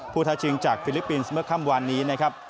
ท้าชิงจากฟิลิปปินส์เมื่อค่ำวานนี้นะครับ